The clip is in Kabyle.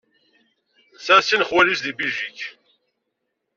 Tesɛa sin n xwali-s deg Biljik.